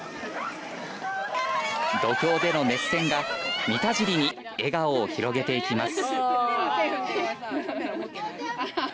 土俵での熱戦が三田尻に笑顔を広げていきます。